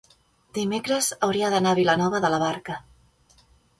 dimecres hauria d'anar a Vilanova de la Barca.